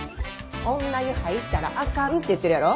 女湯入ったらあかんて言ってるやろ。